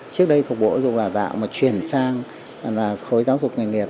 trước đây thuộc bộ giáo dục đạo mà chuyển sang khối giáo dục nghề nghiệp